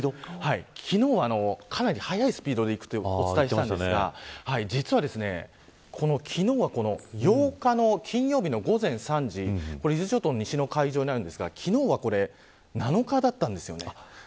昨日はかなり速いスピードで行くとお伝えしましたが実は昨日は８日の金曜日の午前３時伊豆諸島の西の海上なんですが昨日は７日だったんですよね。